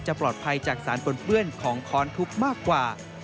ปลอดภัยจากสารปนเปื้อนของค้อนทุกข์มากกว่า